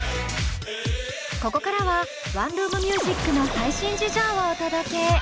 ここからはワンルーム☆ミュージックの最新事情をお届け。